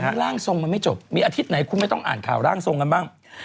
ร่างทรงมันไม่จบมีอาทิตย์ไหนคุณไม่ต้องอ่านข่าวร่างทรงกันบ้าง